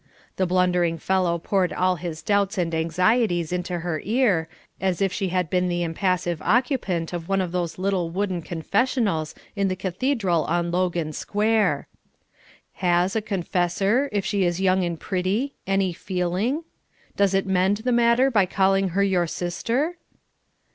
The blundering fellow poured all his doubts and anxieties into her ear, as if she had been the impassive occupant of one of those little wooden confessionals in the Cathedral on Logan Square. Has a confessor, if she is young and pretty, any feeling? Does it mend the matter by calling her your sister?